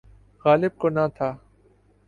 غالب کو نہ تھا۔